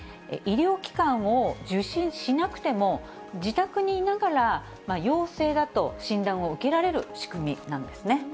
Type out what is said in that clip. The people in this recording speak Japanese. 医療機関を受診しなくても、自宅にいながら、陽性だと診断を受けられる仕組みなんですね。